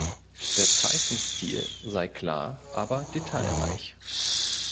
Der Zeichenstil sei klar, aber detailreich.